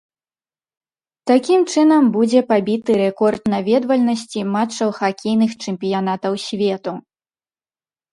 Такім чынам будзе пабіты рэкорд наведвальнасці матчаў хакейных чэмпіянатаў свету.